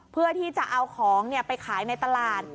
เพื่อที่จะเอาของไปขายในตลาด